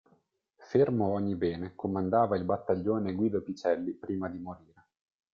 Fermo Ognibene comandava il Battaglione Guido Picelli prima di morire.